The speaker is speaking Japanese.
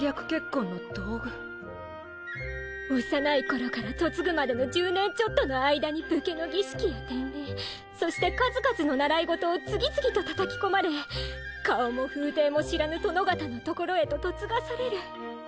幼い頃から嫁ぐまでの１０年ちょっとの間に武家の儀式や典礼そして数々の習い事を次々と叩きこまれ顔も風体も知らぬ殿方の所へと嫁がされる。